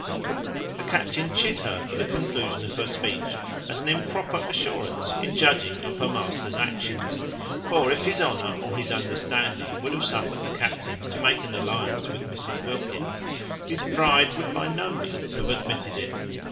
The captain chid her for the conclusion of her speech, as an improper assurance in judging of her master's actions: for if his honour, or his understanding, would have suffered the captain to make an alliance with Mrs Wilkins, his pride would by no means have admitted it.